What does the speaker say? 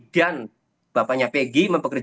dan bapaknya peggy memperkenalkan